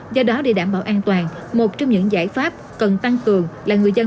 do đó để đảm bảo an toàn một trong những giải pháp cần tăng cường là người dân